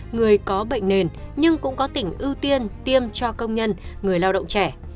người có bệnh nền nhưng cũng có tỉnh ưu tiên tiêm cho công nhân người lao động trẻ